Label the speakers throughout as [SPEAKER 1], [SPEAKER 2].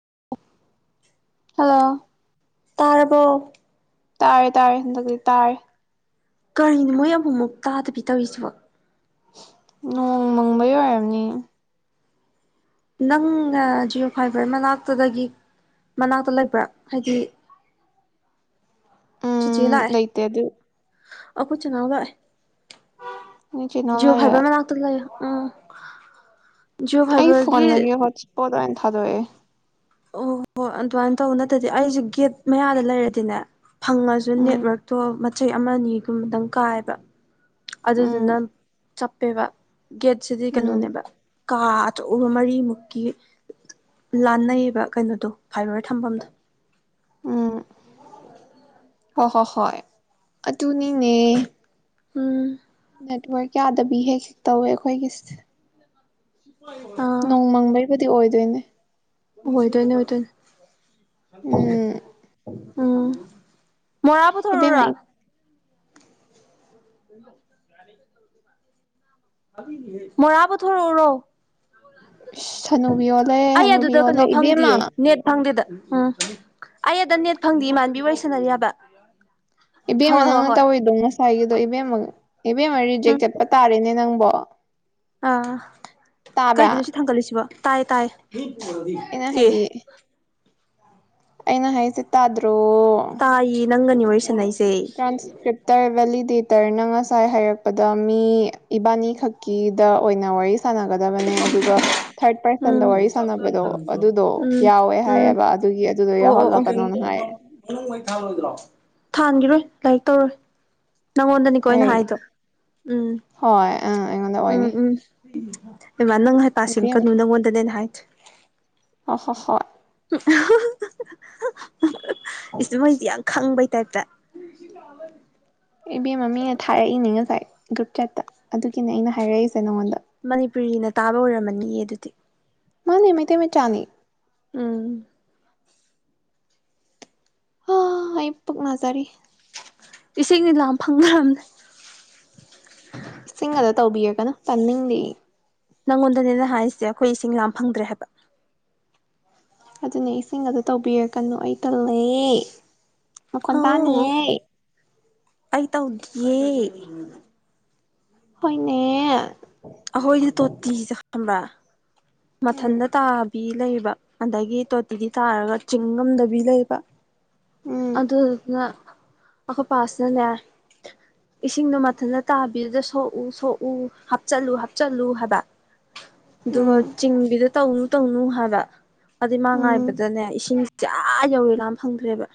[SPEAKER 1] [unintelligible]
[SPEAKER 2] hello
[SPEAKER 1] ꯇꯔꯔꯕꯣ
[SPEAKER 2] ꯇꯥꯔꯦ ꯇꯥꯔꯦ ꯍꯟꯗꯛꯇꯤ ꯇꯥꯔꯦ
[SPEAKER 1] ꯀꯔꯤꯅꯣ ꯃꯣꯏ ꯑꯃꯨꯛꯃꯨꯛ ꯇꯥꯗꯕꯤ ꯇꯧꯔꯤꯁꯤꯕ
[SPEAKER 2] ꯅꯣꯡ ꯃꯪꯕ ꯑꯣꯏꯝꯅꯤ
[SPEAKER 1] ꯅꯪ ꯖꯤꯌꯣ ꯐꯥꯏꯚꯔ ꯃꯅꯥꯛꯇꯨꯗꯒꯤ ꯃꯅꯥꯛꯇ ꯂꯩꯕ꯭ꯔꯥ ꯍꯥꯏꯗꯤ ꯆꯤꯆꯦ
[SPEAKER 2] ꯎꯝ
[SPEAKER 1] ꯂꯥꯛꯑꯦ
[SPEAKER 2] ꯑꯥꯏꯇ ꯑ ꯑꯗꯨ
[SPEAKER 1] ꯑꯩꯈꯣꯏ ꯆꯅꯥꯎ ꯂꯥꯛꯑꯦ
[SPEAKER 2] ꯅꯣꯏ ꯆꯦꯅꯥꯎ
[SPEAKER 1] ꯖꯤꯑꯣ
[SPEAKER 2] ꯂꯩꯔꯦ
[SPEAKER 1] ꯐꯥꯏꯕꯔ ꯃꯅꯥꯛꯇ ꯂꯩꯌꯦ ꯎꯝ ꯖꯤꯑꯣ
[SPEAKER 2] ꯑꯩ
[SPEAKER 1] ꯐꯥꯏꯕꯔꯒꯤ
[SPEAKER 2] ꯐꯣꯟꯗꯒꯤ ꯍꯣꯠꯄꯣꯗ ꯑꯣꯏꯅ ꯑꯣꯏꯅ ꯊꯥꯗꯣꯛꯑꯦ
[SPEAKER 1] ꯑꯣ ꯍꯣ ꯍꯣꯏ ꯑꯗꯨꯃꯥꯏꯅ ꯇꯧꯕ ꯅꯠꯇ꯭ꯔꯗꯤ ꯑꯩꯁꯨꯦ ꯒꯦꯠ ꯃꯌꯥꯗ ꯂꯩꯔꯗꯤꯅꯦ ꯐꯪꯉꯁꯨ
[SPEAKER 2] ꯎꯝ
[SPEAKER 1] ꯅꯦꯠꯋꯔꯛꯇꯣ ꯃꯆꯩ ꯑꯃ ꯑꯅꯤꯒꯨꯝꯕꯗꯪ ꯀꯥꯏꯕ
[SPEAKER 2] ꯎꯝ
[SPEAKER 1] ꯑꯗꯨꯗꯨꯅ ꯆꯞꯄꯦꯕ ꯒꯦꯠꯁꯤꯗꯤ
[SPEAKER 2] ꯎꯝ
[SPEAKER 1] ꯀꯩꯅꯣꯅꯦꯕ ꯀꯥ ꯆꯧꯕ ꯃꯔꯤꯃꯨꯛꯀꯤ ꯂꯥꯟꯅꯩꯌꯦꯕ ꯀꯩꯅꯣꯗꯣ ꯐꯥꯏꯕꯔ ꯊꯝꯐꯝꯗꯣ
[SPEAKER 2] ꯍ ꯍꯣ ꯍꯣꯏ ꯑꯗꯨꯅꯤꯅꯦ
[SPEAKER 1] ꯎꯝ
[SPEAKER 2] ꯅꯦꯠꯋꯔꯛ ꯌꯥꯗꯕꯤ ꯍꯦꯛ ꯍꯦꯛ ꯇꯧꯋꯦ ꯑꯩꯈꯣꯏꯒꯤ ꯅꯣꯡꯃꯪꯕꯩꯕꯨꯗꯤ ꯑꯣꯏꯗꯣꯏꯅꯦ
[SPEAKER 1] ꯑꯣꯏꯗꯣꯏꯅꯤ ꯑꯣꯏꯇꯣꯏꯅꯤ
[SPEAKER 2] ꯎꯝ
[SPEAKER 1] ꯎꯝ ꯃꯔꯕꯨꯨ
[SPEAKER 2] ꯏꯕꯦꯝꯃ
[SPEAKER 1] ꯊꯔꯨꯔ ꯎꯝ ꯃꯔꯥꯕꯨꯊ ꯎꯔꯣ
[SPEAKER 2] ꯏꯁ ꯍꯅꯨꯕꯤ ꯑꯣꯜꯂꯦ
[SPEAKER 1] ꯑꯩ
[SPEAKER 2] ꯍꯅꯨꯕꯤ
[SPEAKER 1] ꯑꯗꯨꯗ
[SPEAKER 2] ꯑꯣꯜꯂꯦ
[SPEAKER 1] ꯀꯩꯅꯣ
[SPEAKER 2] ꯏꯕꯦꯝꯃ
[SPEAKER 1] ꯐꯪꯗꯦꯌꯦ ꯅꯦꯠ ꯐꯪꯗꯦꯗ ꯎꯝ ꯑꯩ ꯑꯗ ꯅꯦꯠ ꯐꯪꯗꯤꯦ ꯏꯃꯥꯟꯕꯤ ꯑꯣꯏꯁꯅꯔꯤ ꯍꯥꯏꯕ
[SPEAKER 2] ꯏꯕꯦꯝꯃ
[SPEAKER 1] ꯍꯣꯏ ꯍꯣꯏ
[SPEAKER 2] ꯅꯪꯅ
[SPEAKER 1] ꯍꯣꯏ
[SPEAKER 2] ꯇꯧꯋꯤꯗꯣ ꯉꯁꯥꯏꯒꯤꯗꯣ ꯏꯕꯦꯝꯃ ꯏꯕꯦꯝꯃ ꯔꯤꯖꯦꯛ ꯆꯠꯄ ꯇꯥꯔꯦꯅꯦ ꯅꯪꯕꯣ
[SPEAKER 1] ꯑ
[SPEAKER 2] ꯇꯥꯕ꯭ꯔꯥ
[SPEAKER 1] ꯀꯩꯒꯤꯅꯣ ꯁꯤ ꯊꯥꯡꯒꯠꯂꯤꯁꯤꯕꯣ ꯇꯥꯏꯌꯦ ꯇꯥꯏꯌꯦ
[SPEAKER 2] ꯑꯩꯅ
[SPEAKER 1] ꯑꯦꯦ
[SPEAKER 2] ꯍꯥꯏꯗꯤ ꯑꯩꯅ ꯍꯥꯏꯁꯦ ꯇꯥꯗ꯭ꯔꯣ
[SPEAKER 1] ꯇꯥꯏꯌꯦ ꯅꯪꯒꯅꯤ ꯋꯥꯔꯤ ꯁꯥꯅꯩꯁꯤ
[SPEAKER 2] ꯇ꯭ꯔꯥꯟꯁꯇꯔꯕꯂꯤ ꯗꯦ ꯇꯔꯅ ꯉꯁꯥꯏ ꯍꯥꯏꯔꯛꯄꯗ ꯃꯤ ꯏꯕꯥꯅꯤ ꯈꯛꯀꯤꯗ ꯑꯣꯏꯅ ꯋꯥꯔꯤ ꯁꯒꯗꯕꯅꯦ ꯑꯗꯨꯒ ꯊꯥꯔꯠ ꯄꯔꯁꯟꯗ
[SPEAKER 1] ꯎꯝ
[SPEAKER 2] ꯋꯥꯔꯤ ꯁꯅꯕꯗꯣ ꯑꯗꯨꯗꯣ
[SPEAKER 1] ꯎꯝ
[SPEAKER 2] ꯌꯥꯎꯋꯦ
[SPEAKER 1] ꯎꯝ
[SPEAKER 2] ꯍꯥꯏꯌꯦꯕ ꯑꯗꯨꯒꯤ ꯑꯗꯨꯗꯣ ꯌꯥꯎꯍꯜꯂ ꯀꯅꯣꯅ ꯍꯥꯏꯌꯦ
[SPEAKER 1] ꯊꯥꯟꯈꯤꯔꯣꯏ ꯂꯥꯏꯔꯤꯛ ꯇꯧꯔꯣꯏ ꯅꯪꯉꯣꯟꯗꯅꯤꯀꯣꯅ
[SPEAKER 2] ꯑꯩ
[SPEAKER 1] ꯍꯥꯏꯗꯣ ꯎꯝ
[SPEAKER 2] ꯍꯣꯏ ꯑꯪ ꯑꯩꯉꯣꯟꯗ
[SPEAKER 1] ꯎꯝ
[SPEAKER 2] ꯑꯣꯏꯅꯤ
[SPEAKER 1] ꯎꯝ ꯎ ꯑꯦꯃꯥ ꯅꯪ ꯍꯥꯏ ꯄꯁꯤ
[SPEAKER 2] ꯏꯕꯦꯝꯃ
[SPEAKER 1] ꯀꯅꯨ ꯅꯪꯉꯣꯟꯗꯅꯦꯅ ꯍꯥꯏ
[SPEAKER 2] ꯍ ꯍꯣ ꯁꯣ
[SPEAKER 1] ꯏ ꯃꯩꯁ ꯌꯥꯝ ꯈꯪꯕꯩ ꯇꯠꯇ
[SPEAKER 2] ꯏꯕꯦꯝ ꯃꯃꯤꯡꯅ ꯊꯥꯔꯛꯏꯅꯦ ꯉꯁꯥꯏ ꯒ꯭ꯔꯨꯞ ꯆꯠꯇ ꯑꯗꯨꯒꯤꯅꯦ ꯑꯩꯅ ꯍꯥꯏꯔꯛꯏꯁꯦ ꯅꯉꯣꯟꯗ
[SPEAKER 1] ꯃꯅꯤꯄꯨꯔꯤꯅ ꯇꯥꯕ ꯑꯣꯏꯔꯝꯃꯅꯤꯌꯦ ꯑꯗꯨꯗꯤ
[SPEAKER 2] ꯃꯥꯅꯦ ꯃꯩꯇ ꯃ ꯆꯥꯅꯤ
[SPEAKER 1] ꯎꯝ
[SPEAKER 2] ꯑ ꯑꯩ ꯄꯣꯛ ꯅꯖꯔꯤ
[SPEAKER 1] ꯏꯁꯤꯡꯅꯤ ꯂꯥ ꯐꯪꯈ꯭ꯔꯕꯅꯦ
[SPEAKER 2] ꯏꯁꯤꯡꯒꯗ ꯇꯧꯕꯤꯌꯒꯅꯣ ꯄꯟꯅꯤꯡꯗꯤꯦ
[SPEAKER 1] ꯅꯪꯉꯣꯟꯗꯅꯦꯅ ꯍꯥꯏꯔꯤꯁꯦ ꯑꯩꯈꯣꯏ ꯏꯁꯤꯡ ꯌꯥꯝꯥ ꯐꯪꯗ꯭ꯔꯦ ꯍꯥꯏꯕ
[SPEAKER 2] ꯑꯗꯨꯅꯦ ꯏꯁꯤꯡ ꯑꯗꯨ ꯑꯗꯨ ꯇꯧꯕꯤꯔ ꯀꯅꯨ ꯑꯩ ꯀꯜꯂꯌꯦ ꯃꯈꯀꯣꯟ ꯇꯥꯅꯤꯌꯦꯦ
[SPEAKER 1] ꯑꯩꯏ ꯇꯥꯎꯗꯤꯦ
[SPEAKER 2] ꯍꯅꯦ
[SPEAKER 1] ꯑꯩꯈꯣꯏꯗꯤ ꯇꯣꯇꯤꯁꯦ ꯈꯕ꯭ꯔꯥ
[SPEAKER 2] ꯎꯝ
[SPEAKER 1] ꯃꯊꯟꯗ ꯇꯥꯕꯤ ꯂꯩꯕ ꯑꯗꯒꯤ ꯇꯣꯇꯤꯗꯤ ꯇꯥꯔꯒ ꯆꯤꯡ ꯉꯝꯗꯕꯤ ꯂꯩꯕ
[SPEAKER 2] ꯎꯝ
[SPEAKER 1] ꯑꯗꯨꯅ ꯑꯈꯣꯏ ꯄꯥꯁꯅꯦꯅꯦꯦ ꯏꯁꯤꯡꯗꯣ ꯃꯊꯟꯇ ꯇꯥꯕꯤꯗꯨꯗ ꯁꯣꯛꯎ ꯁꯣꯛꯎ ꯍꯥꯞꯆꯤꯜꯂꯨ ꯍꯥꯞꯆꯜꯂꯨ ꯍꯥꯏꯕ ꯑꯗꯨꯒ
[SPEAKER 2] ꯎꯝ
[SPEAKER 1] ꯗ ꯇꯧꯅꯨ ꯇꯧꯅꯨ ꯍꯥꯏꯕ ꯑꯗꯨꯩ ꯃꯥ
[SPEAKER 2] ꯎꯝ
[SPEAKER 1] ꯉꯥꯏꯕꯗꯅꯦ ꯏꯁꯤꯡ ꯆ ꯌꯧꯔꯦ ꯂꯥꯝ ꯐꯪꯗ꯭ꯔꯦꯕ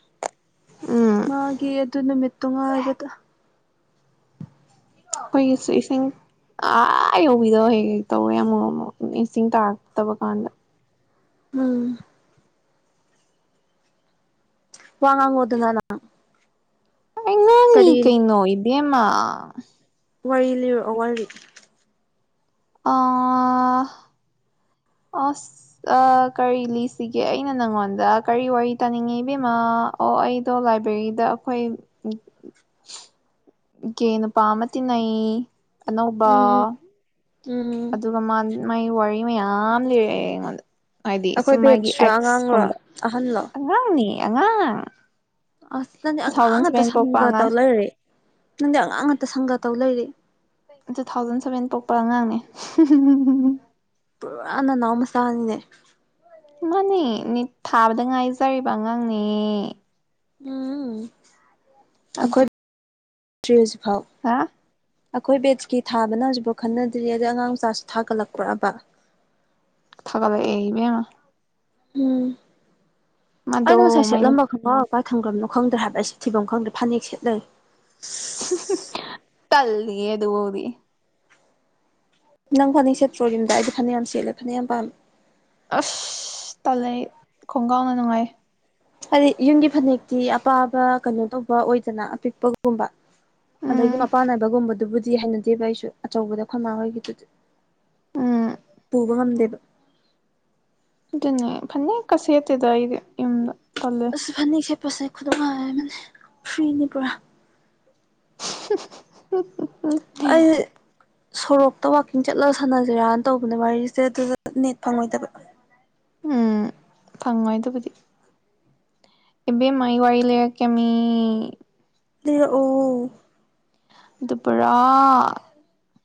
[SPEAKER 2] ꯎꯝ
[SPEAKER 1] ꯃꯥꯒꯤ ꯑꯗꯨ ꯅꯨꯃꯤꯠꯇꯣ ꯉꯥꯂꯒꯗ
[SPEAKER 2] ꯑꯩꯈꯣꯏꯒꯤꯁꯨ ꯏꯁꯤꯡ ꯑꯥ ꯌꯧꯕꯤꯗꯕ ꯍꯦꯛ ꯍꯦꯛ ꯇꯧꯋꯦ ꯑꯃꯣ ꯏꯁꯤꯡ ꯇꯥꯔꯛꯇꯕ ꯀꯥꯟꯗ
[SPEAKER 1] ꯎꯝ ꯋꯥꯉꯉ ꯑꯣꯏ ꯑꯗꯨꯉꯗ
[SPEAKER 2] ꯀ ꯀꯩ ꯅꯣꯏꯕꯃ
[SPEAKER 1] ꯋꯥꯔꯤ ꯂꯤꯔꯛꯑꯣ ꯋꯥꯔꯤ
[SPEAKER 2] ꯑꯥ
[SPEAKER 1] [inaudible]
[SPEAKER 2] ꯑꯁ ꯀꯔꯤ ꯂꯤꯁꯤꯒꯦ ꯑꯩꯅ ꯅꯪꯉꯣꯟꯗ ꯀꯔꯤ ꯋꯥꯔꯤ ꯇꯥꯅꯤꯡꯉꯤ ꯏꯕꯦꯝꯃꯥ ꯑꯣ ꯑꯣ ꯑꯩꯗꯣ ꯂꯥꯏꯕ꯭ꯔꯦꯔꯤꯗ ꯑꯩꯈꯣꯏ
[SPEAKER 1] [inaudible] [inaudible]
[SPEAKER 2] ꯏ ꯀꯦ ꯅꯨꯄꯥ ꯑꯃ ꯇꯤꯟꯅꯩ ꯑꯅꯧꯕ
[SPEAKER 1] ꯎꯝ ꯎꯝ ꯎꯝ
[SPEAKER 2] ꯑꯗꯨꯒ ꯃꯥꯏ ꯋꯥꯔꯤ ꯃꯌꯥꯝ ꯂꯤꯔꯛꯑꯦ ꯑꯩꯉꯣꯟꯗ ꯍꯥꯏꯗꯤ
[SPEAKER 1] ꯑꯩꯈꯣꯏ
[SPEAKER 2] ꯁꯨꯃꯒꯤ
[SPEAKER 1] ꯕꯦꯠꯁꯔꯣ
[SPEAKER 2] ꯑꯦꯛꯁ
[SPEAKER 1] ꯑꯉꯥꯡꯔꯣ
[SPEAKER 2] ꯀꯨꯝꯕ
[SPEAKER 1] ꯑꯍꯟꯂꯣ
[SPEAKER 2] ꯑꯉꯥꯡꯅꯤ ꯑꯉꯥꯡ
[SPEAKER 1] ꯑꯁ ꯅꯪꯗꯤ
[SPEAKER 2] ꯇꯨ
[SPEAKER 1] ꯑꯉꯥꯡ
[SPEAKER 2] ꯊꯥꯎꯖꯟ
[SPEAKER 1] ꯉꯇ
[SPEAKER 2] ꯁꯚꯦꯟ ꯄꯣꯛꯄ
[SPEAKER 1] ꯁꯥꯟꯅꯒ ꯇꯧ
[SPEAKER 2] ꯑꯉꯥꯡ
[SPEAKER 1] ꯂꯩꯔꯦ ꯅꯪꯗꯤ ꯑꯉꯥꯡ ꯉꯥꯛꯇ ꯁꯪꯒꯥ ꯇꯧ ꯂꯩꯔꯤ
[SPEAKER 2] ꯇꯨ ꯊꯥꯎꯖꯟ ꯁꯚꯦꯟ ꯄꯣꯛꯄ ꯑꯉꯥꯡꯅꯦ
[SPEAKER 1] ꯄꯨꯔꯥ ꯅꯅꯥꯎ ꯃꯆꯥꯅꯤꯅꯦ
[SPEAKER 2] ꯃꯥꯅꯦ ꯠ ꯊꯥꯕꯗ ꯉꯥꯏꯖꯔꯤꯕ ꯑꯉꯥꯡꯅꯦ
[SPEAKER 1] ꯎꯝ
[SPEAKER 2] ꯑꯗꯨ
[SPEAKER 1] ꯑꯩꯈꯣꯏ ꯍꯧꯖꯤꯛꯐꯥꯎ
[SPEAKER 2] ꯍꯥ
[SPEAKER 1] ꯑꯩꯈꯣꯏ ꯕꯦꯠꯀꯤ ꯊꯥꯕꯅ ꯍꯧꯖꯤꯛꯐꯥꯎ ꯈꯟꯅꯗ꯭ꯔꯤ ꯑꯗꯩ ꯑꯉꯥꯡ ꯃꯆꯥꯁꯨ ꯊꯥꯒꯠꯂꯛꯄ꯭ꯔꯕ
[SPEAKER 2] ꯊꯕ ꯂꯕ ꯑꯃ
[SPEAKER 1] ꯎꯝ
[SPEAKER 2] ꯃꯗꯣ
[SPEAKER 1] ꯑꯩꯅ ꯉꯁꯥꯏ
[SPEAKER 2] ꯃꯥꯏꯅ
[SPEAKER 1] ꯁꯦꯠꯂꯝꯕ ꯈꯪꯉꯣ ꯏꯄꯥ ꯊꯪꯒ꯭ꯔꯕꯅꯣ ꯈꯪꯗ꯭ꯔꯦ ꯍꯥꯏꯕꯁꯦ ꯊꯤꯕꯝ ꯈꯪꯗ꯭ꯔꯦ ꯐꯅꯦꯛ ꯁꯦꯠꯅꯩ
[SPEAKER 2] ꯇꯜ ꯑ ꯑꯗꯨ ꯍꯗꯤ
[SPEAKER 1] ꯅꯪ ꯐꯅꯦꯛ ꯁꯦꯇ꯭ꯔꯣ ꯌꯝꯗ ꯑꯩꯗꯤ ꯐꯅ ꯌꯥꯝ ꯁꯦꯠꯂꯦ ꯐꯅꯌꯥꯝ ꯌꯥꯝ ꯄꯥꯝꯃꯦ
[SPEAKER 2] ꯑꯁ ꯇꯥꯂꯩ ꯈꯣꯡꯒꯥꯎꯅ ꯅꯨꯡꯉꯥꯏ
[SPEAKER 1] ꯍꯥꯏꯗꯤ ꯌꯨꯝꯒꯤ ꯐꯅꯦꯛꯇꯤ ꯑꯄꯥꯕ ꯀꯩꯅꯣ ꯇꯧꯕ ꯑꯣꯏꯗꯅ ꯑꯄꯤꯛꯄꯒꯨꯝꯕ ꯑꯗꯒꯤ
[SPEAKER 2] ꯎꯝ
[SPEAKER 1] ꯃꯄꯥꯟ ꯅꯥꯏꯕꯒꯨꯝꯕꯗꯨꯕꯨꯗꯤ ꯍꯥꯏꯅꯗꯦꯕ ꯑꯩꯁꯨ ꯑꯆꯧꯕꯗ ꯈꯨꯣꯏꯃꯥ ꯍꯣꯏꯒꯤꯗꯨꯗꯤ ꯄ
[SPEAKER 2] ꯎꯝ
[SPEAKER 1] ꯄꯨꯕꯃꯝꯗꯦꯕ
[SPEAKER 2] ꯑꯗꯨꯅꯦ ꯐꯅꯤꯦꯛ ꯀꯁꯤꯌꯠꯗ ꯏ ꯏꯃꯗ
[SPEAKER 1] ꯑꯁ ꯐꯅꯦꯛ ꯁꯦꯠꯄꯁꯦ ꯈꯨꯗꯝꯣꯡ ꯍꯥꯏꯥꯏ ꯑꯃꯅꯤꯅꯤ ꯐ꯭ꯔꯤꯅꯤ ꯄꯨꯔꯥ ꯑꯩ
[SPEAKER 2] [inaudible]
[SPEAKER 1] ꯁꯣꯔꯣꯛꯇ ꯋꯥꯋꯥꯛꯀꯤꯡ ꯆꯠꯂꯒ ꯁꯥꯟꯅꯁꯤꯔꯥꯅ ꯇꯧꯕꯅꯦ ꯋꯥꯔꯤꯁꯦ ꯑꯗꯨꯗ ꯅꯦꯠ ꯐꯪꯉꯣꯏꯗꯕ
[SPEAKER 2] ꯎꯝ ꯐꯪꯉꯣꯏ ꯑꯗꯨꯕꯨꯗꯤ ꯑꯦꯕ ꯃꯥꯏ ꯋꯥꯔꯤꯂꯀꯃꯤ
[SPEAKER 1] ꯑꯣ
[SPEAKER 2] ꯑꯗꯨ ꯄꯨꯔꯥ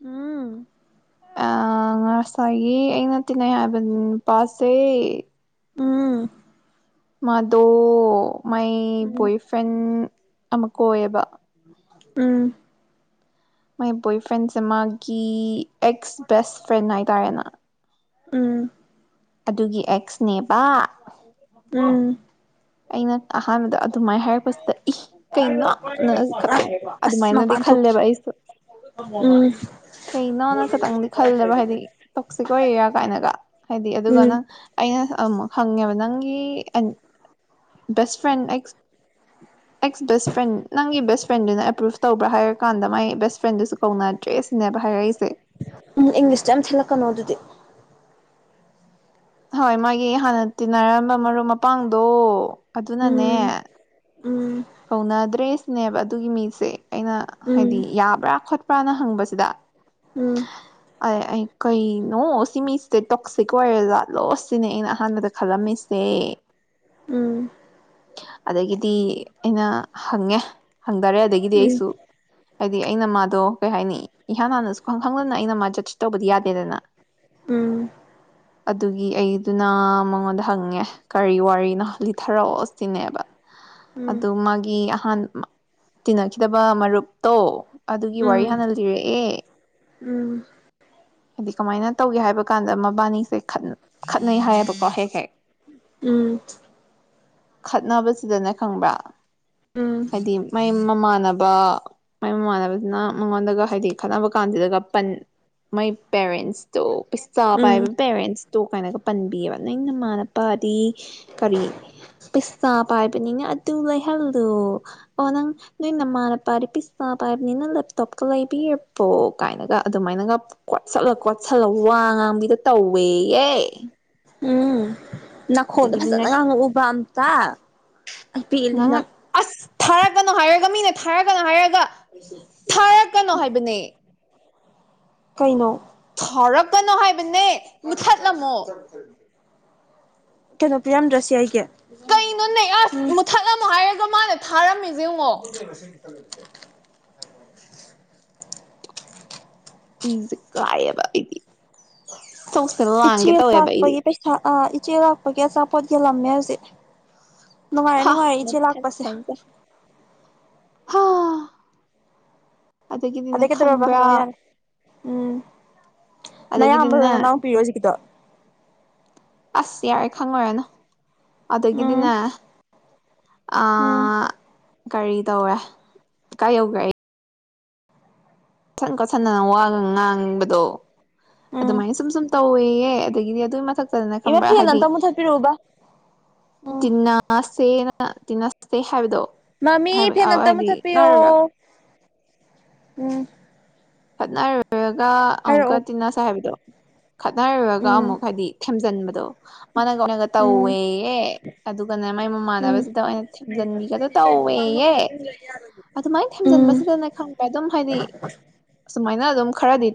[SPEAKER 1] ꯑꯝ
[SPEAKER 2] ꯑ ꯉꯁꯥꯏꯒꯤ ꯑꯩꯅ ꯇꯤꯟꯅꯩ ꯍꯥꯏꯕ ꯅꯨꯄꯥꯁꯦ
[SPEAKER 1] ꯎꯝ
[SPEAKER 2] ꯃꯥꯗꯣ ꯃꯥꯏ
[SPEAKER 1] ꯎꯝ
[SPEAKER 2] ꯕꯣꯏꯐ꯭ꯔꯦꯟ ꯑꯃ ꯀ ꯑꯣꯏꯌꯦꯕ
[SPEAKER 1] ꯎꯝ
[SPEAKER 2] ꯃꯥꯏ ꯕꯣꯏ ꯐ꯭ꯔꯦꯟꯁꯦ ꯃꯥꯒꯤ ꯑꯦꯛꯁ ꯕꯦꯁ ꯐ꯭ꯔꯦꯟ ꯍꯥꯏꯇꯥꯔꯦꯅ
[SPEAKER 1] ꯎꯝ
[SPEAKER 2] ꯑꯗꯨꯒꯤ ꯑꯦꯛꯁ
[SPEAKER 1] ꯎꯝ
[SPEAKER 2] ꯑꯩꯅ ꯑꯍꯥꯟꯕꯗ ꯑꯗꯨꯃꯥꯏꯅ ꯍꯥꯏꯔꯛꯄꯁꯤꯗ ꯏ ꯀꯩꯅꯣꯅ ꯈꯈꯤꯇꯪ
[SPEAKER 1] ꯑꯁ
[SPEAKER 2] ꯑꯗꯨꯃꯥꯏꯅ ꯗꯤ
[SPEAKER 1] ꯃꯄꯥꯟ ꯊꯣꯛꯀꯦ
[SPEAKER 2] ꯈꯜꯂꯦꯕꯏ
[SPEAKER 1] ꯎꯝ
[SPEAKER 2] ꯀꯩꯅꯅ ꯈꯈꯤꯇꯪꯗꯤ ꯈꯜꯂꯦꯕ ꯍꯥꯏꯗꯤ ꯇꯣꯛꯁꯤꯛ ꯑꯣꯏꯔꯦꯔꯤꯌꯥ ꯀꯥꯏꯅꯒ ꯍꯥꯏꯗꯤ ꯑꯗꯨꯒ
[SPEAKER 1] ꯎꯝ
[SPEAKER 2] ꯅꯪ ꯑꯩꯅ ꯑꯦꯁ ꯑꯃꯨꯛ ꯍꯪꯉꯦꯕ ꯅꯪꯒꯤ ꯑꯦ ꯕꯦꯁ ꯐ꯭ꯔꯦꯟ ꯑꯩ ꯑꯦꯛꯁ ꯕꯦꯁ ꯐ꯭ꯔꯦꯟ ꯅꯪꯒꯤ ꯕꯦꯁ ꯐ꯭ꯔꯦꯟꯗꯨꯅ ꯑꯦꯄ꯭ꯔꯨꯞ ꯇꯧꯕ꯭ꯔꯥ ꯍꯥꯏꯔ ꯀꯥꯟꯗ ꯃꯥꯏ ꯕꯦꯁ ꯐ꯭ꯔꯦꯟꯗꯨꯁꯨ ꯀꯧꯅꯗ꯭ꯔꯦ ꯁꯤꯅꯦꯕ ꯍꯥꯏꯔꯛꯏꯁꯦ
[SPEAKER 1] ꯎꯝ ꯏꯪꯂꯤꯁꯇꫭ ꯌꯥꯝ ꯊꯦꯠꯂꯛꯀꯅꯣ ꯑꯗꯨꯗꯤ
[SPEAKER 2] ꯍꯣꯏ ꯃꯥꯒꯤ ꯍꯥꯟꯅ ꯇꯤꯟꯅꯔꯝꯕ ꯃꯔꯨꯞ ꯃꯄꯥꯡꯗꯣ ꯑꯗꯨꯅꯅꯦ
[SPEAKER 1] ꯎꯝ ꯎꯝ
[SPEAKER 2] ꯀꯧꯅꯗ꯭ꯔꯦꯁꯤꯅꯦꯕ ꯑꯗꯨꯒꯤ ꯃꯤꯁꯦ ꯑꯩꯅ
[SPEAKER 1] ꯎꯝ
[SPEAKER 2] ꯍꯥꯏꯗꯤ ꯌꯥꯕ꯭ꯔꯥ ꯈꯣꯠꯄ꯭ꯔꯥꯅ ꯍ ꯍꯪꯚꯁꯤꯗ
[SPEAKER 1] ꯎꯝ
[SPEAKER 2] ꯑꯩ ꯑꯩ ꯀꯩꯅꯣ ꯁꯤꯃꯤ ꯁꯦ ꯇꯣꯛꯁꯤꯛ ꯑꯣꯏꯔꯦꯗ ꯂꯣꯁ ꯁꯤꯅꯤ ꯑꯩꯅ ꯑꯍꯥꯟꯕꯗ ꯈꯜꯂꯝꯃꯤꯁꯦ
[SPEAKER 1] ꯎꯝ
[SPEAKER 2] ꯑꯗꯒꯤꯗꯤ ꯑꯩꯅ ꯍꯪꯉꯦ ꯐꯪꯗꯔꯦ ꯑꯗꯒꯤꯗꯤ
[SPEAKER 1] ꯎꯝ
[SPEAKER 2] ꯑꯩꯁꯨ ꯍꯥꯏꯗꯤ ꯑꯩꯅ ꯃꯥꯗꯣ ꯀꯩ ꯍꯥꯏꯅꯤ ꯏꯍꯥꯟ ꯍꯥꯟꯅ ꯁꯨꯛꯈꯪ ꯈꯪꯗꯅ ꯑꯩꯅ ꯃꯥꯖꯦ ꯆꯤꯠ ꯇꯧꯕꯗꯤ ꯌꯥꯗꯦꯗꯅ
[SPEAKER 1] ꯎꯝ
[SPEAKER 2] ꯑꯗꯨꯒꯤ ꯑꯩꯗꯨꯅ ꯃꯉꯣꯟꯗ ꯍꯪꯉꯦ ꯀꯔꯤ ꯋꯥꯔꯤꯅꯣ ꯂꯤꯊꯔꯛꯑꯣ ꯁꯤꯅꯦꯕ
[SPEAKER 1] ꯍ
[SPEAKER 2] ꯑꯗꯨ ꯃꯥꯒꯤ ꯑꯍꯥꯟꯕ ꯇꯤꯟꯅꯈꯤꯗꯕ ꯃꯔꯨꯞꯇꯣ ꯑꯗꯨꯒꯤ
[SPEAKER 1] ꯎꯝ
[SPEAKER 2] ꯋꯥꯔꯤ
[SPEAKER 1] ꯎꯝ
[SPEAKER 2] ꯍꯥꯟꯅ ꯂꯤꯔꯛꯑꯦ ꯍꯥꯏꯗꯤ ꯀꯃꯥꯏꯅ ꯇꯧꯒꯦ ꯍꯥꯏꯕ ꯀꯥꯟꯗ ꯃꯕꯥꯏꯅꯤꯁꯦ ꯈꯠ ꯈꯠꯅꯩ ꯍꯥꯏꯌꯦꯕꯀꯣ ꯍꯦꯛ ꯍꯦꯛ
[SPEAKER 1] ꯎꯝ
[SPEAKER 2] ꯈꯠꯅꯕꯁꯤꯗꯅꯦ ꯈꯪꯕ꯭ꯔꯥ
[SPEAKER 1] ꯎꯝ ꯎꯝ
[SPEAKER 2] ꯍꯥꯏꯗꯤ ꯃꯥꯏ ꯃꯃꯥꯟꯅ ꯕ ꯃꯥꯏ ꯃꯃꯥꯟꯅꯕꯁꯤꯅ ꯃꯉꯣꯟꯗꯒ ꯍꯥꯏꯗꯤ ꯈꯠꯅꯕ ꯀꯥꯟꯗꯨꯗꯒ ꯄꯟ ꯃꯥꯏ ꯄꯦꯔꯦꯟꯁꯇꯣ ꯄꯩꯁꯥ
[SPEAKER 1] ꯎꯝ
[SPEAKER 2] ꯄꯥꯏꯕ ꯄꯦꯔꯦꯟꯁꯇꯣ ꯀꯥꯏꯅꯒ ꯄꯟꯕꯤꯌꯦꯕ ꯅꯪ ꯅꯃꯥꯟ ꯇꯥꯗꯤ ꯀꯔꯤ ꯄꯩꯁꯥ ꯄꯥꯏꯕꯅꯤꯅ ꯑꯗꯨ ꯂꯩꯍꯜꯂꯣ ꯑꯣ ꯅꯪ ꯅꯣꯏ ꯅꯃꯥꯟꯅ ꯇꯥꯜꯂꯤ ꯄꯤꯁꯥ ꯄꯥꯏꯕꯅꯤꯅ ꯂꯦꯞꯇꯣꯞꯇꫭ ꯂꯩꯕꯤꯔꯕꫭ ꯀꯥꯏꯅꯒ ꯑꯗꯨꯃꯥꯏꯅꯒ ꯀꯣꯠꯁꯜꯁ ꯀꯣꯠꯁꯜꯂ ꯋꯥꯡ ꯉꯥꯡꯕꯤꯗꫭ ꯇꯧꯋꯦꯌꯦ
[SPEAKER 1] ꯅꯈꯣꯟꯗꯣ
[SPEAKER 2] ꯑꯗꯒꯤꯗꯤꯅꯦ
[SPEAKER 1] ꯐꯖꯅ ꯉꯥꯡꯉꯛꯎꯕ ꯑꯝꯇ ꯑꯩ ꯄꯦꯜꯂꯦꯈꯦ ꯅꯪ
[SPEAKER 2] ꯉꯥꯡꯉꯛ ꯑꯁ ꯊꯥꯔꯛꯀꯅꯣ ꯍꯥꯏꯔꯒ ꯃꯤꯅ ꯊꯥꯔꯛꯀꯅꯣ ꯍꯥꯏꯔꯒ ꯊꯥꯔꯛꯀꯅꯣ ꯍꯥꯏꯕꯅꯦ
[SPEAKER 1] ꯀꯩꯅꯣ
[SPEAKER 2] ꯊꯥꯔꯛꯀꯅꯣ ꯍꯥꯏꯕꯅꯦ ꯃꯨꯊꯠꯂꯝꯃꯣ
[SPEAKER 1] ꯀꯩꯅꯣ ꯄꯤꯔꯝꯗ꯭ꯔꯁꯤ ꯑꯩꯒꯤ
[SPEAKER 2] ꯀꯩ ꯅꯣꯅꯦ ꯑꯁꯤ
[SPEAKER 1] ꯎꯝ
[SPEAKER 2] ꯃꯨꯠ ꯊꯠ ꯂꯝꯃꫭ ꯍꯥꯏꯔꯒ ꯃꯥꯅ ꯊꯔꯝ ꯃꯤꯖꯦ ꯌꯦꯡꯉꫭ ꯏꯖꯦ ꯀꯥꯏꯌꯦꯕ ꯑꯩꯗꯤ ꯆꯧꯁꯦ
[SPEAKER 1] ꯏꯆꯦ
[SPEAKER 2] ꯂꯥꯡꯒꯦ ꯇꯧꯋꯦꯕ ꯑꯩꯗꯤ
[SPEAKER 1] ꯂꯥꯛꯄꯒꯤ ꯄꯩꯁꯥ ꯑ ꯏꯆꯦ ꯂꯥꯛꯄꯒꯤ ꯑꯆꯥꯄꯣꯠ ꯌꯦꯜꯂꯝꯃꯦ ꯍꯧꯖꯤꯛ ꯅꯨꯡꯉꯥꯏꯔꯦ
[SPEAKER 2] ꯍꯥ
[SPEAKER 1] ꯅꯨꯡꯉꯥꯏꯔꯦ ꯏꯆꯦ ꯂꯥꯛꯄꯁꯦ
[SPEAKER 2] ꯍꯥ ꯑꯗꯒꯤꯗꯤꯅꯦ
[SPEAKER 1] ꯑꯗꯩ ꯀꯩꯗꯧꯔꯕ
[SPEAKER 2] ꯈꯪꯕ꯭ꯔꯥ
[SPEAKER 1] ꯍꯥꯏꯔꯛꯑꯣ ꯌꯥꯔꯦ ꯎꯝ ꯅꯌꯥꯝꯕꯔꯣ
[SPEAKER 2] ꯑꯗꯒꯤꯗꯤꯅꯦ
[SPEAKER 1] ꯅꯅꯥꯎꯄꯤꯔꯣ ꯍꯧꯖꯤꯛꯀꯤꯗꫭ
[SPEAKER 2] ꯑꯁ ꯌꯥꯔꯦ ꯈꯪꯉꯨꯔꯅꯨ ꯑꯗꯒꯤꯗꯤꯅꯦ
[SPEAKER 1] ꯎꯝ
[SPEAKER 2] ꯑ
[SPEAKER 1] ꯎꯝ
[SPEAKER 2] ꯀꯔꯤ ꯇꯧꯔꯦ ꯀꯥꯏ ꯌꯧꯒꯔꯦ ꯑꯩ ꯀꫭꯠꯁꯟ ꯀꫭꯠꯁꯟꯗꯅ ꯋꯥꯒ ꯉꯥꯡꯕꯗꯣ
[SPEAKER 1] ꯎꯝ
[SPEAKER 2] ꯑꯗꯨꯃꯥꯏꯅ ꯁꯨꯝ ꯁꯨꯝ ꯇꯧꯋꯦꯌꯦ ꯑꯗꯒꯤꯗꯤ ꯑꯗꯨꯏ ꯃꯊꯛꯇꯅꯦ
[SPEAKER 1] ꯏꯃꯥ
[SPEAKER 2] ꯈꯪꯕ꯭ꯔꯥ
[SPEAKER 1] ꯐꯦꯟ
[SPEAKER 2] ꯍꯥꯏꯗꯤ
[SPEAKER 1] ꯑꯝꯇ ꯃꯨꯊꯠꯄꯤꯔꯛꯎꯕ ꯎꯝ
[SPEAKER 2] ꯇꯤꯟꯅꯁꯤꯅ ꯅ ꯇꯤꯟꯅꯁꯦ ꯍꯥꯏꯕꯗꯣ
[SPEAKER 1] ꯃꯝꯃꯤ ꯐꯦꯟ ꯑꯝꯇ ꯃꯨꯊꯠ
[SPEAKER 2] ꯍꯥꯏꯗꯤ
[SPEAKER 1] ꯄꯤꯌꯣ
[SPEAKER 2] ꯈꯠꯅꯔꯨꯔ
[SPEAKER 1] ꯎꯝ
[SPEAKER 2] ꯈꯠꯅꯔꯨꯔꯒ ꯑꯃꯨꯛꯀ
[SPEAKER 1] ꯍꯥꯏꯔꯛꯑꯣ
[SPEAKER 2] ꯇꯤꯟꯅꯁꯦ ꯍꯥꯏꯕꯗꯣ ꯈꯠꯅꯔꯨꯔꯒ
[SPEAKER 1] ꯎꯝ
[SPEAKER 2] ꯑꯃꯨꯛ ꯍꯥꯏꯗꯤ ꯊꯦꯝꯖꯟꯕꯗꫭ ꯃꯥꯅꯒ ꯑꫭꯏꯅ
[SPEAKER 1] ꯎꯝ
[SPEAKER 2] ꯇꯧꯋꯦꯌꯦ ꯑꯗꯨꯒꯅꯦ ꯃꯥꯏ ꯃꯃꯥꯟꯅꯕꯁꯤꯗ ꯑꫭꯏꯅ ꯊꯦꯝꯖꯤꯟꯕꯤꯒꯗ ꯇꯧ
[SPEAKER 1] ꯀꯥꯡ ꯃꯔꯛ ꯁꯤꯗ ꯑꯗꯨꯝ ꯂꯩꯒꯦ
[SPEAKER 2] ꯑꯗꯨꯃꯥꯏꯅ ꯊꯦꯝꯖꯤꯟꯕꯁꯤꯗꯅꯦ ꯈꯪꯕ ꯑꯗꯨꯝ ꯍꯥꯏꯗꯤ ꯁꯨꯃꯥꯏꯅ ꯑꯗꯨꯝ ꯈꯔꯗꯤ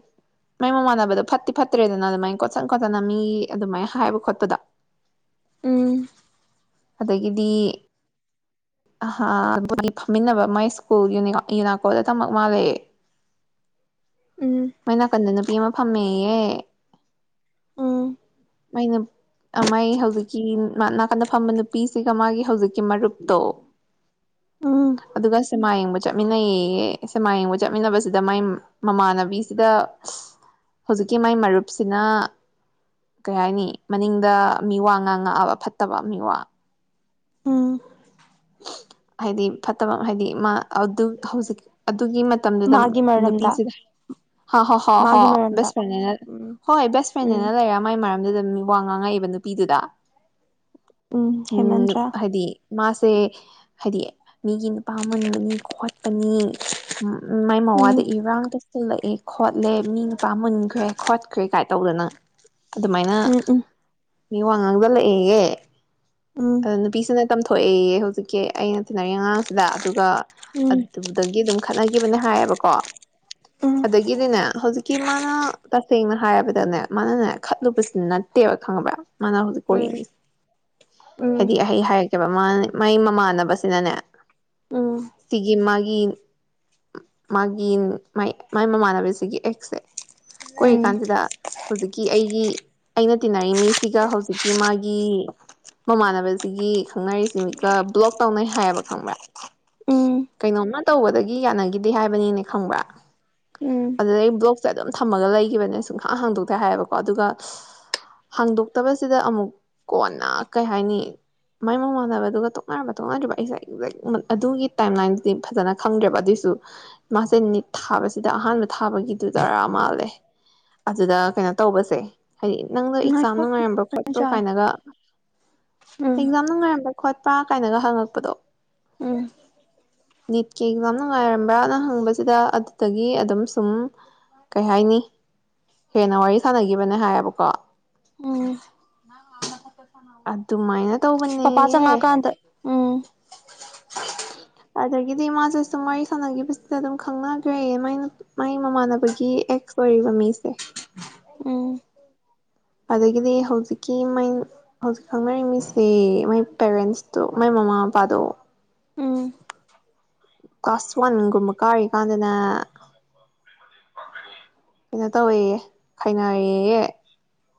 [SPEAKER 2] ꯃꯥꯏ ꯃꯃꯥꯟꯅꯕꯗꯣ ꯐꯠꯇꯤ ꯐꯠꯇ꯭ꯔꯦꯗꯅ ꯑꯗꯨꯃꯥꯏ ꯀꯣꯠꯁꯟ ꯀꫭꯗꯅ ꯃꯤ ꯑꯗꯨꯃꯥꯏꯅ ꯍꯥꯏꯕ ꯈꯣꯠꯄꯗꯥ
[SPEAKER 1] ꯎꯝ
[SPEAKER 2] ꯑꯗꯒꯤꯗꯤ ꯁꯦꯍ ꯑꯗꯨꯒꯤ ꯐꯝꯃꯤꯟꯅꯕ ꯃꯥꯏ ꯁ꯭ꯀꯨꯜ ꯌꯨꯅꯥꯀꯣꯗ ꯇꯝꯃꯛ ꯃꯥꯜꯂꯦ
[SPEAKER 1] [inaudible] ꯎꯝ
[SPEAKER 2] ꯃꯣꯏ ꯅꯥꯀꯟꯗ ꯅꯨꯄꯤ ꯑꯃ ꯐꯝꯃꯦꯌꯦ
[SPEAKER 1] ꯎꯝ
[SPEAKER 2] ꯑꯩꯅ ꯃꯥꯏ ꯍꯧꯖꯤꯛꯀꯤ ꯅꯥꯀꯟꯗ ꯐꯝꯕ ꯅꯨꯄꯤꯁꯤꯒ ꯃꯥꯒꯤ ꯍꯧꯖꯤꯛꯀꯤ ꯃꯔꯨꯞꯇꯣ
[SPEAKER 1] ꯎꯝ
[SPEAKER 2] ꯑꯗꯨꯒ ꯁꯦꯃꯥ ꯌꯦꯡꯕ ꯆꯠꯃꯤꯟꯅꯩꯌꯦꯌꯦ ꯁꯦꯃꯥ ꯌꯦꯡꯕ ꯆꯠꯃꯤꯟꯅꯕꯁꯤꯗ ꯃꯥꯏ ꯃꯃꯥꯟꯅꯕꯤꯁꯤꯗ ꯍꯧꯖꯤꯛꯀꯤ ꯃꯥꯏ ꯃꯔꯨꯞꯁꯤꯅ ꯀꯩ ꯍꯥꯏꯅꯤ ꯃꯅꯤꯡꯗ ꯃꯤ ꯋꯥ ꯉꯥꯡꯉꯛꯑꯕ ꯐꯠꯇꯕ ꯃꯤꯋꯥ
[SPEAKER 1] ꯎꯝ
[SPEAKER 2] ꯍꯥꯏꯗꯤ ꯐꯠꯇꯕ ꯍꯥꯏꯗꯤ ꯃꯥ ꯑꯗꯨ ꯍꯧꯖꯤꯛ ꯗꯨꯒꯤ ꯃꯇꯝꯗꯨꯗ
[SPEAKER 1] ꯃꯥꯒꯤ ꯃꯔꯝꯗ
[SPEAKER 2] ꯅꯨꯄꯤꯁꯤꯗ ꯍ ꯍꯣ ꯍ ꯍꯣ
[SPEAKER 1] ꯃꯥꯒꯤ ꯃꯔꯝꯗ
[SPEAKER 2] ꯕꯦꯁ ꯐ꯭ꯔꯦꯟꯅꯦꯅ
[SPEAKER 1] ꯎꯝ
[SPEAKER 2] ꯍꯣꯏ ꯕꯦꯁ
[SPEAKER 1] ꯎꯝ
[SPEAKER 2] ꯐ꯭ꯔꯦꯟꯅ ꯂꯩꯔ ꯃꯥꯏ ꯃꯔ ꯗ ꯃꯤ ꯋꯥ ꯉꯥꯡꯉꯛꯏꯕ ꯅꯨꯄꯤꯗꯨꯗ
[SPEAKER 1] ꯎꯝ ꯍꯦꯃꯟꯗ꯭ꯔꯥ
[SPEAKER 2] ꯃꯥꯁꯦ ꯍꯥꯏꯗꯤ ꯃꯤꯒꯤ ꯅꯨꯄꯥ ꯃꯨꯟꯕꯅꯤ ꯈꯣꯠꯄꯅꯤ ꯎ ꯃꯥꯏ
[SPEAKER 1] ꯎꯝ
[SPEAKER 2] ꯃꯧꯋꯥꯗ ꯏꯔꯥꯡ ꯇ ꯁꯤꯜꯂꯛꯑꯦ ꯈꯣꯠꯂꯦ ꯃꯤ ꯅꯨꯄꯥ ꯃꯨꯟꯈ꯭ꯔꯦ ꯈꯣꯠꯈ꯭ꯔꯦ ꯀꯥꯏ ꯇꯧꯗꯅ ꯑꯗꯨꯃꯥꯏꯅ
[SPEAKER 1] ꯎꯝ ꯎꯝ
[SPEAKER 2] ꯃꯤ ꯋꯥ ꯉꯥꯡꯖꯜꯂꯛꯑꯦꯌꯦ
[SPEAKER 1] ꯎꯝ
[SPEAKER 2] ꯑ ꯅꯨꯄꯤꯁꯤꯅ ꯇꯝꯊꯣꯛꯑꯦꯌꯦ ꯍꯧꯖꯤꯛꯀꯤ ꯑꯩꯅ ꯇꯤꯟꯅꯔꯤ ꯑꯉꯥꯡꯁꯤꯗ ꯑꯗꯨꯒ
[SPEAKER 1] ꯎꯝ
[SPEAKER 2] ꯑꯗꯨꯗꯒꯤ ꯑꯗꯨꯝ ꯈꯠꯅꯒꯤꯕꯅꯦ ꯍꯥꯏꯌꯦꯕꯀꯣ
[SPEAKER 1] ꯎꯝ
[SPEAKER 2] ꯑꯗꯒꯤꯗꯤꯅꯦ ꯍꯧꯖꯤꯛꯀꯤ ꯃꯥꯅ ꯇꯁꯦꯡꯅ ꯍꯥꯏꯔꯕ ꯗꯅꯦ ꯃꯥꯅꯅꯦ ꯈꯠꯂꯨꯕꯁꯤ ꯅꯠꯇꯦꯕ ꯈꯪꯉꯕ꯭ꯔꯥ ꯃꯥꯅ ꯍꯧꯖꯤꯛ
[SPEAKER 1] ꯎꯝ ꯎꯝ
[SPEAKER 2] ꯑꯣꯏꯔ ꯃꯤꯁꯤ ꯍꯥꯏꯗꯤ ꯑꯩꯍ ꯍꯥꯏꯔꯛꯀꯦꯕ ꯃꯥ ꯃꯥꯏ ꯃꯃꯥ ꯕꯁꯤꯅꯅꯦ
[SPEAKER 1] ꯎꯝ
[SPEAKER 2] ꯁꯤꯒꯤ ꯃꯥꯒꯤ ꯃꯥꯒꯤ ꯃꯥꯏ ꯃꯃꯥꯟꯅꯕꯤꯁꯤꯒꯤ ꯑꯦꯛꯁꯦ ꯀꯣꯏꯔꯤꯀꯥꯟꯁꯤꯗ ꯍꯧꯖꯤꯛ ꯀꯤ ꯑꯩꯒꯤ ꯑꯩꯅ ꯇꯤꯟꯅꯔꯤ ꯃꯤꯁꯤꯒ ꯍꯧꯖꯤꯛꯀꯤ ꯃꯥꯒꯤ ꯃꯃꯥꯟꯅꯕꯁꯤꯒꯤ ꯈꯪꯅꯔꯤꯁꯤ ꯃꯤꯀ ꯕ꯭ꯂꯣꯛ ꯇꯧꯅꯩ ꯍꯥꯏꯌꯦꯕ ꯈꯪꯕ꯭ꯔꯥ
[SPEAKER 1] ꯎꯝ
[SPEAKER 2] ꯀꯩꯅꯣꯝꯃ ꯇꯧꯕꯗꯒꯤ ꯌꯥꯅꯒꯤꯗꯦ ꯍꯥꯏꯕꯅꯤꯅꯦ ꯈꯪꯕ꯭ꯔꯥ
[SPEAKER 1] ꯎꯝ
[SPEAKER 2] ꯑꯗꯨꯗꯩꯩ ꯕ꯭ꯂꯣꯛꯁꯦ ꯑꯗꯨꯝ ꯊꯝꯃꯒ ꯂꯩꯈꯤꯕꯅꯦ ꯁꯨꯡꯍꯥꯡ ꯍꯥꯡꯗꯣꯛꯇꯦ ꯍꯥꯏꯌꯦꯕꯀꯣ ꯑꯗꯨꯒ ꯍꯥꯡꯗꯣꯛꯇꯕꯁꯤꯗ ꯑꯃꯨꯛ ꯀꯣꯟꯅ ꯀꯩ ꯍꯥꯏꯅꯤ ꯃꯥꯏ ꯃ ꯃꯥꯟꯅꯕꯗꯨꯒ ꯇꯣꯛꯅꯔꯕ ꯃ ꯇꯣꯛꯅꯗꯔꯤꯕ ꯑꯩꯁꯦ ꯑꯦꯛꯖꯦꯛ ꯑꯗꯨꯒꯤ ꯇꯥꯏꯝ ꯂꯥꯏꯟꯗꯨ ꯗꯤ ꯐꯖꯅ ꯈꯪꯗ꯭ꯔꯦꯕ ꯑꯗꯨꯏꯁꯨ ꯃꯥꯁꯦ ꯅꯤꯠ ꯊꯥꯕꯁꯤꯗ ꯑꯍꯥꯟꯕ ꯊꯥꯕꯒꯤꯗꯨ ꯔꯥ ꯃꯥꯜꯂꯦ ꯑꯗꯨꯗ ꯀꯩꯅꯣ ꯇꯧꯕꯁꯦ ꯍꯥꯏꯗꯤ ꯅꯪꯅ
[SPEAKER 1] ꯎꯝ
[SPEAKER 2] ꯑꯦꯛꯖꯥꯝ
[SPEAKER 1] ꯉꯥꯏꯈꯣ
[SPEAKER 2] ꯅꯨꯡꯉꯥꯏꯔꯝꯕ꯭ꯔꯣ ꯈꯣꯠꯄ꯭ꯔꯣ ꯀꯥꯏꯅꯒ
[SPEAKER 1] ꯎꯝ
[SPEAKER 2] ꯑꯦꯛꯖꯥꯝ ꯅꯨꯡꯉꯥꯏꯔꯝꯕ꯭ꯔꯥ ꯈꯣꯠꯄ꯭ꯔꯥ ꯀꯥꯏꯅꯒ ꯍꯪꯉꯛꯄꯗꯣ
[SPEAKER 1] ꯎꯝ
[SPEAKER 2] ꯅꯤꯠꯀꯤ ꯑꯦꯛꯖꯥꯝ ꯅꯨꯡꯉꯥꯏꯔꯝꯕ꯭ꯔꯥꯅ ꯍꯪꯕꯁꯤꯗ ꯑꯗꯨꯗꯒꯤ ꯑꯗꯨꯝ ꯁꯨꯝ ꯀꯩ ꯍꯥꯏꯅꯤ ꯍꯦꯟꯅ ꯋꯥꯔꯤ ꯁꯥꯟꯅꯒꯤꯕꯅꯦ ꯍꯥꯏꯌꯦꯕꯀꯣ
[SPEAKER 1] ꯎꯝ
[SPEAKER 2] ꯑꯗꯨꯃꯥꯏꯅ
[SPEAKER 1] ꯄꯄꯥ
[SPEAKER 2] ꯇꯧꯕꯅꯦꯌꯦ
[SPEAKER 1] ꯆꯡꯉꯀꯥꯟꯗ ꯎꯝ
[SPEAKER 2] ꯑꯗꯒꯤꯗꯤ ꯃꯥꯁꯦ ꯁꯨꯝ ꯋꯥꯔꯤ ꯁꯥꯟꯅꯒꯤꯕꯁꯤꯗ ꯑꯗꯨꯝ ꯈꯪꯅꯒꯔ꯭ꯦꯌꯦ ꯃꯥꯏ ꯃꯥꯏ ꯃꯃꯥꯟꯅꯕꯒꯤ ꯑꯦꯛꯁ ꯑꯣꯏꯔꯤꯕ ꯃꯤꯁꯦ
[SPEAKER 1] ꯎꯝ
[SPEAKER 2] ꯑꯗꯒꯤꯗꯤ ꯍꯧꯖꯤꯛꯀꯤ ꯃꯩ ꯍꯧꯖꯤꯛ ꯈꯪꯅꯔꯤꯃꯤꯁꯦ ꯃꯥꯏ ꯄꯦꯔꯦꯟꯁꯇꯣ ꯃꯥꯏ ꯃꯃꯥ ꯄꯥꯗꯣ
[SPEAKER 1] ꯎꯝ
[SPEAKER 2] ꯀ꯭ꯂꯥꯁ ꯋꯥꯟꯒꯨꯝꯕ ꯀꯥꯔꯤꯀꯥꯟꯗꯅ ꯀꯩꯅꯣ ꯇꯧꯋꯦꯌꯦ ꯈꯥꯏꯅꯔꯦꯌꯦ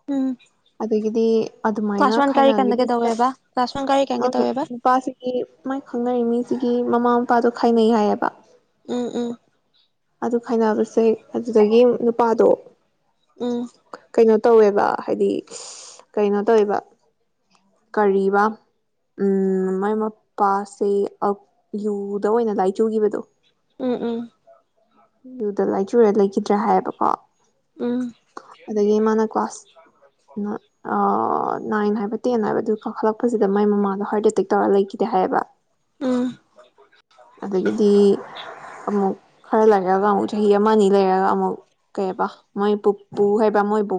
[SPEAKER 1] ꯎꯝ
[SPEAKER 2] ꯑꯗꯒꯤꯗꯤ ꯑꯗꯨꯃꯥꯏꯅ
[SPEAKER 1] ꯀ꯭ꯂꯥꯁ ꯋꯥꯟ ꯀꯥꯔꯤ ꯀꯥꯟꯗ
[SPEAKER 2] ꯈꯥꯏꯅꯈꯤꯕꯁꯤꯗ
[SPEAKER 1] ꯀꯩꯗꯧꯋꯦꯕ ꯀ꯭ꯂꯥꯁ ꯋꯥꯟ ꯀꯥꯔꯤ ꯀꯥꯟ ꯀꯩꯗꯧꯋꯦꯕ
[SPEAKER 2] ꯅꯨꯄꯥꯁꯤꯒꯤ ꯃꯥꯏ ꯈꯪꯅꯔꯤ ꯃꯤꯁꯤꯒꯤ ꯃꯃꯥ ꯃꯄꯥꯗꯣ ꯈꯥꯏꯅꯩ ꯍꯥꯏꯌꯦꯕ
[SPEAKER 1] ꯎꯝ ꯎꯝ
[SPEAKER 2] ꯑꯗꯨ ꯈꯥꯏꯅꯕꯁꯦ ꯑꯗꯨꯗꯒꯤ ꯅꯨꯄꯥꯗꯣ
[SPEAKER 1] ꯎꯝ
[SPEAKER 2] ꯀꯩꯅꯣ ꯇꯧꯋꯦꯕ ꯍꯥꯏꯗꯤ ꯀꯩꯅꯣ ꯇꯧꯋꯦꯕ ꯀꯔꯤꯕ ꯎꯝ ꯃꯥꯏ ꯃꯄꯥꯁꯦ ꯌꯨꯗ ꯑꯣꯏꯅ ꯂꯥꯏꯆꯨꯈꯤꯕꯗꯣ
[SPEAKER 1] ꯎꯝ ꯎꯝ
[SPEAKER 2] ꯌꯨꯗ ꯂꯥꯏꯆꯨꯔ ꯂꯩꯈꯤꯗ꯭ꯔꯥ ꯍꯥꯏꯌꯦꯕꯀꯣ
[SPEAKER 1] ꯎꯝ
[SPEAKER 2] ꯑꯗꯒꯤ ꯃꯥꯅ ꯀ꯭ꯂꯥꯁ ꯅꯥꯏꯟ ꯍꯥꯏꯕ ꯇꯦꯟ ꯍꯥꯏꯕ ꯑꯗꯨ ꯀꯥꯈꯠꯂꯛꯄꯁꯤꯗ ꯃꯥꯏ ꯃꯃꯥꯗ ꯍꯥꯔꯠ ꯑꯦꯇꯦꯛ ꯇꯧꯔ ꯂꯩꯈꯤꯗꯦ ꯍꯥꯏꯌꯦꯕ
[SPEAKER 1] ꯎꯝ
[SPEAKER 2] ꯑꯗꯒꯤꯗꯤ ꯑꯃꯨꯛ ꯈꯔ ꯂꯩꯔꯒ ꯑꯃꯨꯛ ꯆꯍꯤ ꯑꯃ ꯑꯅꯤ ꯂꯩꯔꯒ ꯑꯃꯨꯛ ꯀꯩꯕ ꯃꯣꯏ ꯄꯨꯄꯨ ꯍꯥꯏꯕ ꯃꯣꯏ ꯄꯨ